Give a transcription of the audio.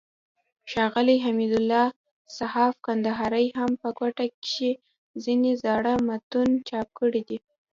ښاغلي حمدالله صحاف کندهاري هم په کوټه کښي ځينې زاړه متون چاپ کړي دي.